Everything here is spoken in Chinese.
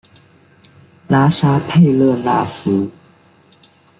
拉沙佩勒纳夫。